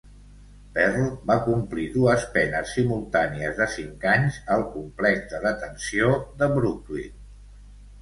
Perl va complir dues penes simultànies de cinc anys al Complex de detenció de Brooklyn.